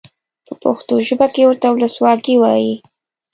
په پښتو ژبه کې ورته ولسواکي وایي.